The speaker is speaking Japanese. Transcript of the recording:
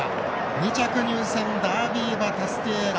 ２着入線、ダービー場タスティエーラ。